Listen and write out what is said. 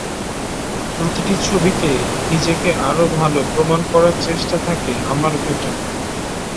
প্রতিটি ছবিতে নিজেকে আরও ভালো প্রমাণ করার চেষ্টা থাকে আমার ভেতর।